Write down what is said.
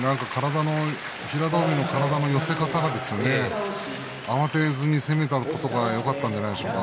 平戸海の体の寄せ方が慌てずに攻めたことがよかったと思います。